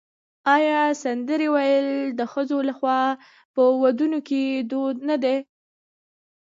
آیا سندرې ویل د ښځو لخوا په ودونو کې دود نه دی؟